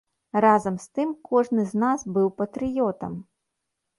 Разам з тым кожны з нас быў патрыётам.